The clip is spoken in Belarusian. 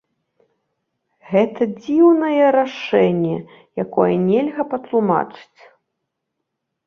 Гэта дзіўнае рашэнне, якое нельга патлумачыць.